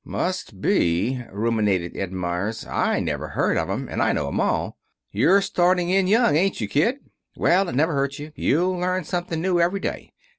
"Must be," ruminated Ed Meyers. "I never heard of 'em, and I know 'em all. You're starting in young, ain't you, kid! Well, it'll never hurt you. You'll learn something new every day.